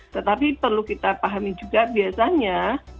tetapi perlu kita pahami juga biasanya